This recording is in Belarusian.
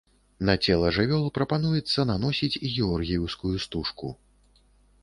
На цела жывёл прапануецца наносіць георгіеўскую стужку.